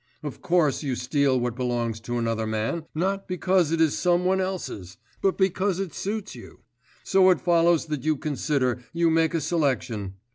Of course you steal what belongs to another man, not because it is some one else's, but because it suits you; so it follows that you consider, you make a selection.